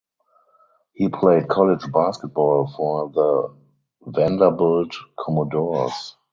He played college basketball for the Vanderbilt Commodores.